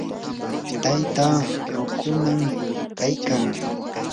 taytaa rukunam kaykan.